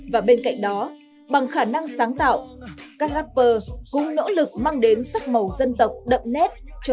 và bên cạnh đó bằng khả năng sáng tạo các rapper cũng nỗ lực mang đến sắc màu dân tộc đậm nét cho rap